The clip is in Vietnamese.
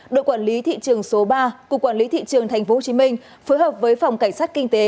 đội quản lý thị trường số ba cục quản lý thị trường tp hcm phối hợp với phòng cảnh sát kinh tế